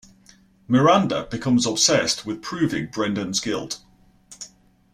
Miranda becomes obsessed with proving Brendan's guilt.